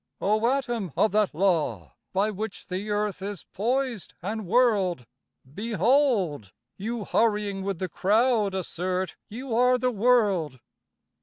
"O atom of that law, by which the earth Is poised and whirled; Behold! you hurrying with the crowd assert You are the world."